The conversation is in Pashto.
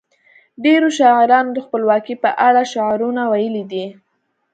ډیرو شاعرانو د خپلواکۍ په اړه شعرونه ویلي دي.